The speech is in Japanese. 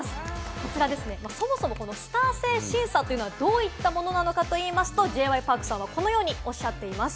こちらですね、そもそも、このスター性審査というのはどういったものなのかといいますと、Ｊ．Ｙ．Ｐａｒｋさんはこのようにおっしゃっています。